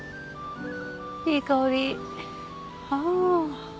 いい香りあ。